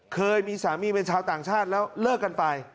เคยมีสามีเป็นชาวต่างชาติแล้วเลิกกันไป